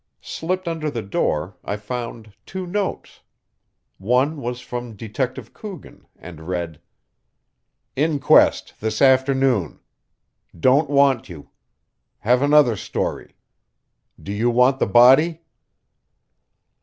Slipped under the door I found two notes. One was from Detective Coogan, and read: "Inquest this afternoon. Don't want you. Have another story. Do you want the body?"